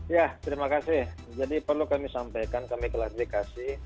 ya terima kasih jadi perlu kami sampaikan kami klasifikasi